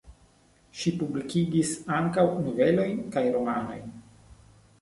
Ŝi publikigis ankaŭ novelojn, kaj romanojn.